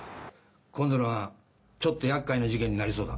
今度のはちょっとやっかいな事件になりそうだ。